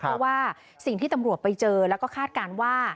เพราะว่าสิ่งที่ตำรวจไปเจอแล้วก็คาดการณ์ว่า